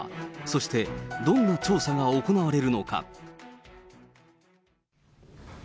そして、どんな調査が行われるのか。